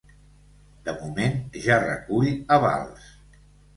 De moment, ja recull avals.